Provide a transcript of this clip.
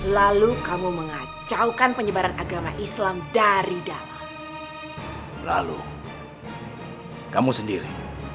lalu kamu mengacaukan penyebaran agama islam dari dalam lalu kamu sendiri